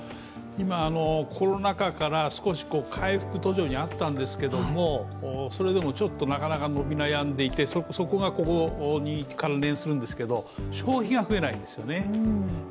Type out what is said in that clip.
今、コロナ禍から少し回復途上にあったんですけれどもそれでもちょっとなかなか伸び悩んでいてそれがここに関連するんですけど消費が増えないんですよね。